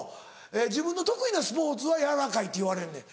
自分の得意なスポーツは軟らかいって言われんねん。